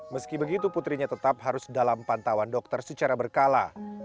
meski begitu putrinya tetap harus dalam pantauan dokter secara berkala